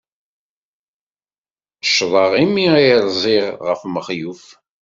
Ccḍeɣ imi ay rziɣ ɣef Mexluf.